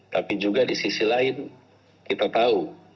tapi juga di sisi lain kita tahu